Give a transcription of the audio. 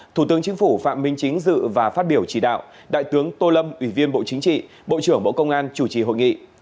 thủ tướng chính phủ phạm minh chính dự và phát biểu chỉ đạo đại tướng tô lâm ủy viên bộ chính trị bộ trưởng bộ công an chủ trì hội nghị